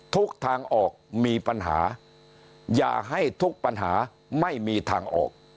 ทุกทางออกมีปัญหาอย่าให้ทุกปัญหาไม่มีทางออก